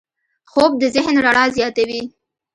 خوب د ذهن رڼا زیاتوي